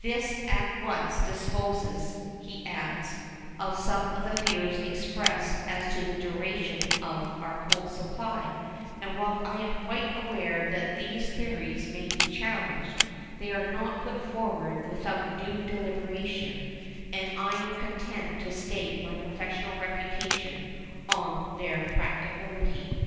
This at once disposes,' he adds, 'of some of the fears expressed as to the duration of our coal supply; and while I am quite aware that these theories may be challenged, they are not put forward without due deliberation, and I am content to stake my professional reputation on their practicability.